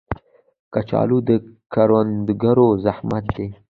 کچالو د کروندګرو زحمت دی